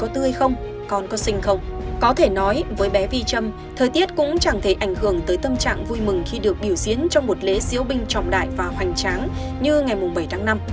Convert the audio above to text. trong buổi bé vi châm thời tiết cũng chẳng thể ảnh hưởng tới tâm trạng vui mừng khi được biểu diễn trong một lễ diễu binh trọng đại và hoành tráng như ngày bảy tháng năm